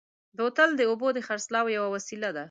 بوتل د اوبو د خرڅلاو یوه وسیله ده.